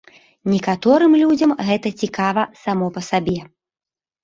Некаторым людзям гэта цікава само па сабе.